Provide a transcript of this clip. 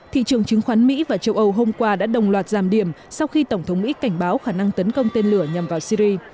thị trường chứng khoán mỹ và châu âu hôm qua đã đồng loạt giảm điểm sau khi tổng thống mỹ cảnh báo khả năng tấn công tên lửa nhằm vào syri